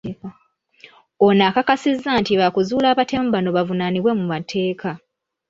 Ono akakasizza nti baakuzuula abatemu bano bavunaanibwe mu mateeka .